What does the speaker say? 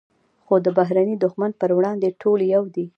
خو د بهرني دښمن پر وړاندې ټول یو دي.